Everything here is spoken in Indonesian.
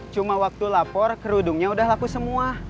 cuma waktu lapor kerudungnya udah laku semua